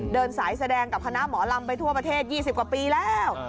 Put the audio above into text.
เดินสายแสดงกับคณะหมอลำไปทั่วประเทศ๒๐กว่าปีแล้ว